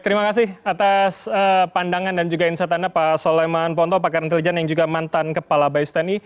terima kasih atas pandangan dan juga insight anda pak soleman ponto pakar intelijen yang juga mantan kepala bais tni